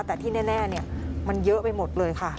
แต่ที่แน่มันเยอะไปหมดเลยค่ะ